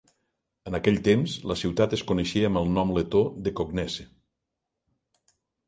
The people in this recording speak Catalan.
En aquell temps, la ciutat es coneixia amb el nom letó de Koknese.